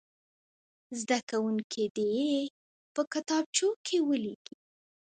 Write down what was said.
زده کوونکي دې یې په کتابچو کې ولیکي.